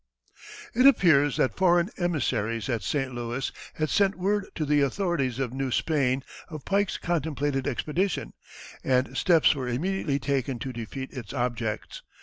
It appears that foreign emissaries at St. Louis had sent word to the authorities of New Spain of Pike's contemplated expedition, and steps were immediately taken to defeat its objects.